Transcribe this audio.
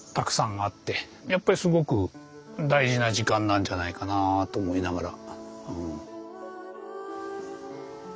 やっぱりすごく大事な時間なんじゃないかなと思いながら。